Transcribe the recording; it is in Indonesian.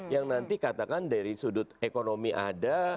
yang nanti katakan dari sudut ekonomi ada